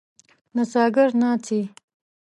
نڅاګر ناڅي.